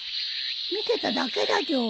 見てただけだじょ。